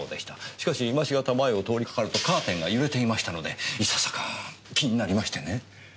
しかし今しがた前を通りかかるとカーテンが揺れていましたのでいささか気になりましてね。